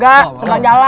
gak seberang jalan